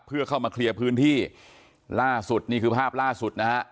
เพื่อเข้ามาเคลียร์พื้นที่ล่าสุดนี่คือภาพล่าสุดนะฮะ